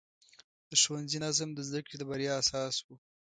د ښوونځي نظم د زده کړې د بریا اساس و.